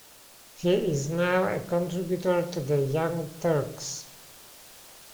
He is now a contributor to The Young Turks.